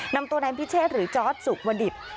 นำตัวนายพิเศษหรือเจ้าซุยมดี่